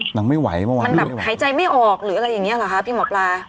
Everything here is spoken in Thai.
ไม่ไหวเมื่อวานมันแบบหายใจไม่ออกหรืออะไรอย่างนี้หรอคะพี่หมอปลา